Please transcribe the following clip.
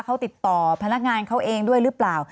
เขาติดต่อพนักงานเขาเองด้วยหรือเปล่า